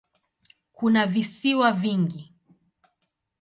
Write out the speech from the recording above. Kuna visiwa vingi.